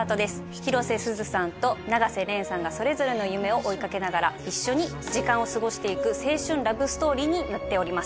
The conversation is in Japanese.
広瀬すずさんと永瀬廉さんがそれぞれの夢を追いかけながら一緒に時間を過ごしていく青春ラブストーリーになっております